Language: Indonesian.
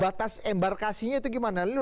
batas embarkasinya itu gimana